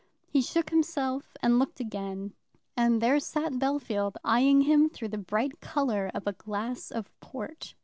He shook himself, and looked again, and there sat Bellfield, eyeing him through the bright colour of a glass of port.